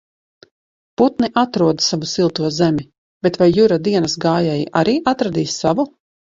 Putni atrod savu silto zemi, bet vai Jura dienas gājēji arī atradīs savu?